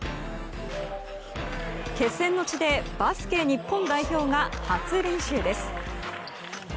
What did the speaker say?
決戦の地でバスケ日本代表が初練習です。